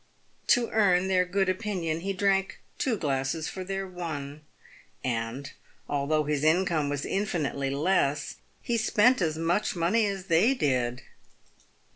To earn their good opinion, he drank two glasses for their one ; and, although his income was infinitely less, he spent as much money as they did.